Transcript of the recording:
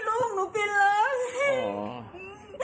ลูกของหนูกินเลย